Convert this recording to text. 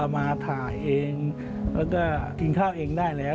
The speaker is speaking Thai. มาถ่ายเองแล้วก็กินข้าวเองได้แล้ว